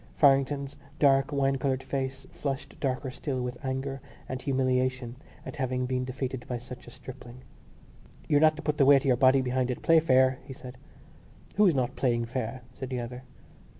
Farrington's dark wine coloured face flushed darker still with anger and humiliation at having been defeated by such a stripling. "You're not to put the weight of your body behind it. Play fair," he said. "Who's not playing fair?" said the other.